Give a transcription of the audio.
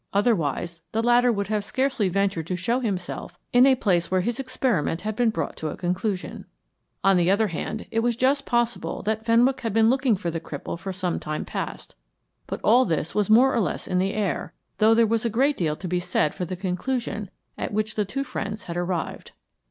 Otherwise, the latter would have scarcely ventured to show himself in a place where his experiment had been brought to a conclusion. On the other hand, it was just possible that Fenwick had been looking for the cripple for some time past. But all this was more or less in the air, though there was a great deal to be said for the conclusion at which the two friends had arrived.